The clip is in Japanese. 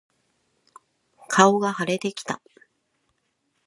顔が腫れてきた。